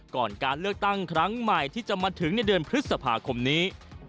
ก่อนการเลือกตั้งครั้งใหม่ที่จะมาถึงในเดือนพฤษภาคมนี้